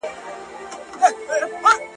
آیا اګوستین یو مسیحي عالم و؟